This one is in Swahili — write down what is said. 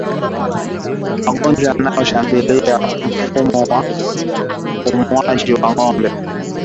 Magonjwa yanayoshambulia mfumo wa upumuaji wa ngombe